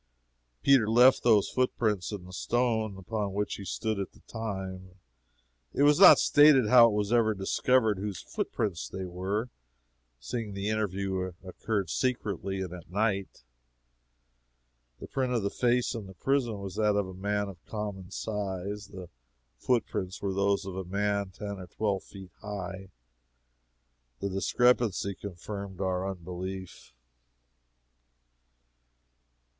Peter left those footprints in the stone upon which he stood at the time. It was not stated how it was ever discovered whose footprints they were, seeing the interview occurred secretly and at night. The print of the face in the prison was that of a man of common size; the footprints were those of a man ten or twelve feet high. The discrepancy confirmed our unbelief.